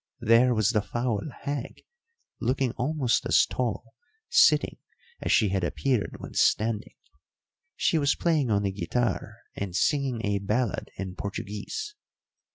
There was the foul hag, looking almost as tall sitting as she had appeared when standing; she was playing on a guitar and singing a ballad in Portuguese.